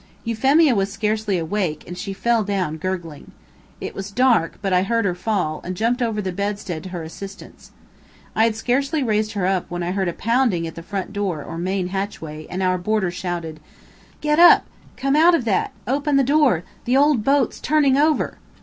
Euphemia was scarcely awake, and she fell down gurgling. It was dark, but I heard her fall, and I jumped over the bedstead to her assistance. I had scarcely raised her up, when I heard a pounding at the front door or main hatchway, and our boarder shouted: "Get up! Come out of that! Open the door! The old boat's turning over!"